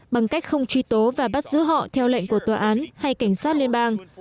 bằng cách không truy tố và bắt giữ họ theo lệnh của tòa án hay cảnh sát liên bang